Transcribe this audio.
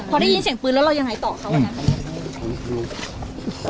พอได้ยินเสียงปืนแล้วเรายังไงต่อเขาอืม